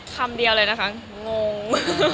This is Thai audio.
คำเดียวเลยนะคะงง